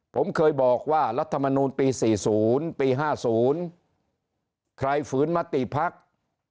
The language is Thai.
ผมเคยบอกว่ารัฐมนูลปี๔๐ปี๕๐ใครฝืนมติภักดิ์